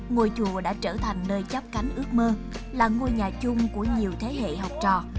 ngôi chùa đã trở thành nơi chắp cánh ước mơ là ngôi nhà chung của nhiều thế hệ học trò